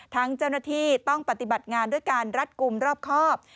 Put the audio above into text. เจ้าหน้าที่ต้องปฏิบัติงานด้วยการรัดกลุ่มรอบครอบ